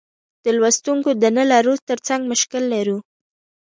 د لوستونکیو د نه لرلو ترڅنګ مشکل لرو.